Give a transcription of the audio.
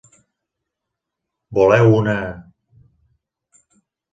Voleu una...?